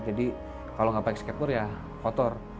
jadi kalau nggak pakai skateboard ya kotor